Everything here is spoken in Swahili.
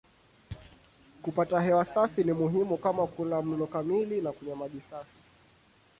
Kupata hewa safi ni muhimu kama kula mlo kamili na kunywa maji safi.